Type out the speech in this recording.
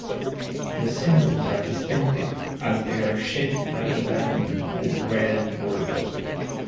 The symbols are distinctive as they are shaped like a diamond with red borders.